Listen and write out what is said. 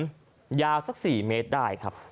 มึงเหลืมยาวสัก๔เมตรได้ครับ